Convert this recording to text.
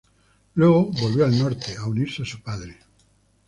Luego volvió al Norte a unirse a su padre.